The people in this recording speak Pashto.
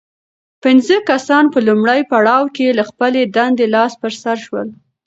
پنځه کسان په لومړي پړاو کې له خپلې دندې لاس په سر شول.